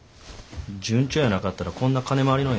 順調やなかったらこんな金回りのええ